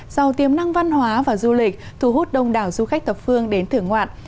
giàu tiềm năng văn hóa và du lịch thu hút đông đảo du khách thập phương đến thưởng ngoạn